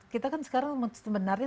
kita kan sekarang sebenarnya